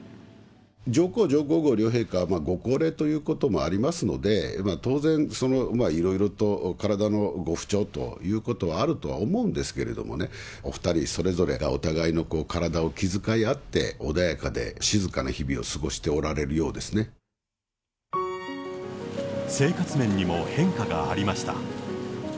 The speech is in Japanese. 上皇・上皇后両陛下は、ご高齢ということもありますので、当然、いろいろと体のご不調ということはあるとは思うんですけれどもね、お２人それぞれがお互いの体を気遣い合って、穏やかで静かな日々生活面にも変化がありました。